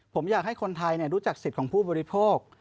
ผมอยากให้คนไทยรู้จักสิทธิ์ของผู้บริโภค